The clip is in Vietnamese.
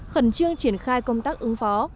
khẩn trương triển khai công tác ứng phó